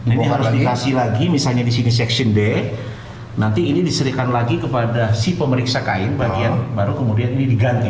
ini harus dikasih lagi misalnya di sini seksi d nanti ini diserikan lagi kepada si pemeriksa kain bagian baru kemudian ini diganti